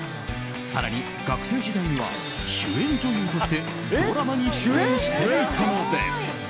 更に学生時代には主演女優としてドラマに出演していたのです。